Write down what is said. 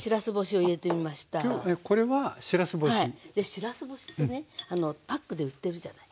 しらす干しってねパックで売ってるじゃない。